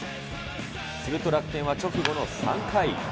すると楽天は直後の３回。